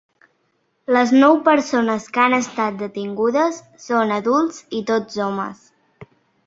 Les nou persones, que han estat detingudes, són adults i tots homes.